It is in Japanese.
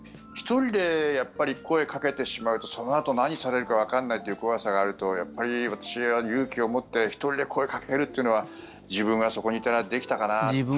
１人でやっぱり声かけてしまうとそのあと何されるかわからないという怖さがあるとやっぱり私は勇気を持って１人で声かけるというのは自分がそこにいたらできたかなって。